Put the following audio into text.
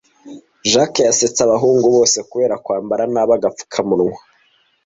Jack yasetse abahungu bose kubera kwambara nabi agapfukamunwa.